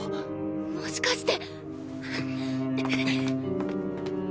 もしかして。